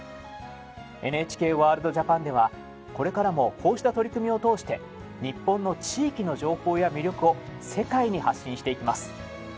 ＮＨＫワールドＪＡＰＡＮではこれからもこうした取り組みを通して日本の地域の情報や魅力を世界に発信していきます。